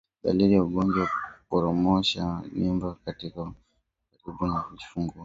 Dalili za ugonjwa ni kuporomosha mimba wakati wa mwisho karibu na kujifungua